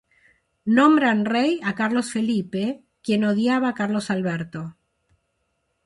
Nombran rey a Carlos Felipe, quien odiaba a Carlos Alberto.